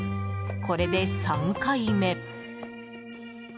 これで３回目。